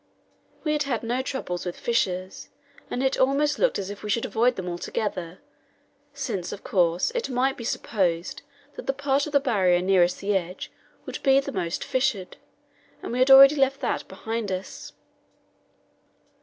We had had no trouble with fissures, and it almost looked as if we should avoid them altogether, since, of course, it might be supposed that the part of the Barrier nearest the edge would be the most fissured, and we had already left that behind us.